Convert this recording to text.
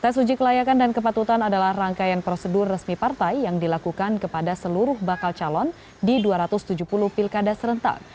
tes uji kelayakan dan kepatutan adalah rangkaian prosedur resmi partai yang dilakukan kepada seluruh bakal calon di dua ratus tujuh puluh pilkada serentak